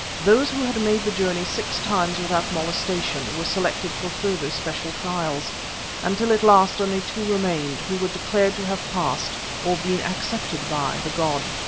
Those who had made the journey six times without molestation were selected for further special trials, until at last only two remained who were declared to have "passed" or "been accepted by" the god.